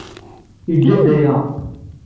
Yejja-d aya.